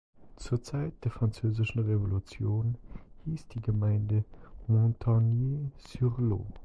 Zur Zeit der Französischen Revolution hieß die Gemeinde "Montagne-sur-Lot".